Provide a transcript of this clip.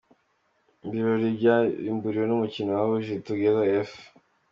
Ibirori byabimburiwe n’umukino wahuje Together F.